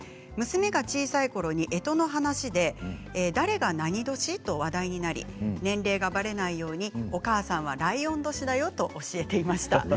娘が小さいころに、えとの話で誰が何年？と話題になり年齢がばれないようにお母さんはライオン年だよと教えていました。